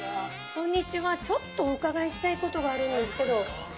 ちょっとお伺いしたいことがあるんですけど。